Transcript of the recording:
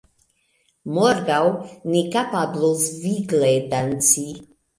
Morgaŭ ni kapablos vigle danci